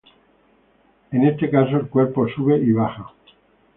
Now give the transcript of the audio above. En este caso el cuerpo sube y baja.